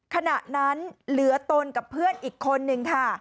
ขณะนั้นเหลือตนกับเพื่อนอีกคนนึงค่ะ